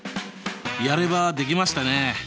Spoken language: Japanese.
やればできましたね。